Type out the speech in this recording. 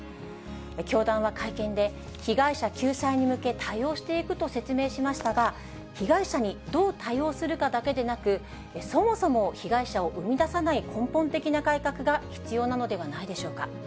教団は会見で、被害者救済に向け、対応していくと説明しましたが、被害者にどう対応するかだけでなく、そもそも被害者を生み出さない根本的な改革が必要なのではないでしょうか。